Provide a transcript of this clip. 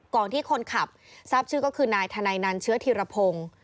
ที่คนขับทราบชื่อก็คือนายธนัยนันเชื้อธีรพงศ์